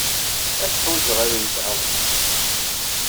Ad k-ḥwijeɣ ad iyi-tɛawneḍ.